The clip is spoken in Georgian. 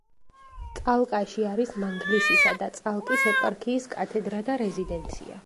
წალკაში არის მანგლისისა და წალკის ეპარქიის კათედრა და რეზიდენცია.